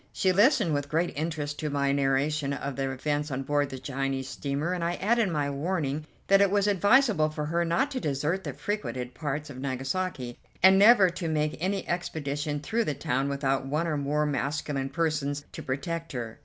She listened with great interest to my narration of the events on board the Chinese steamer, and I added my warning that it was advisable for her not to desert the frequented parts of Nagasaki, and never to make any expedition through the town without one or more masculine persons to protect her.